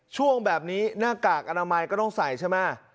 ช่วงแบบนี้หน้ากากอนามัยก็ต้องใส่ใช่ไหม